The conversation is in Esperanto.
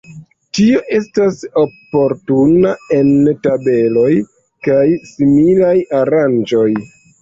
Tio estas oportuna en tabeloj kaj similaj aranĝoj.